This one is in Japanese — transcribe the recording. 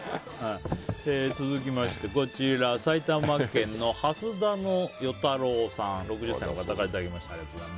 続きまして埼玉県、６０歳の方からいただきました。